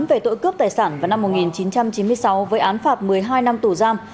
về tội cướp tài sản vào năm một nghìn chín trăm chín mươi sáu với án phạt một mươi hai năm tù giam